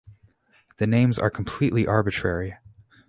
The names are completely arbitrary.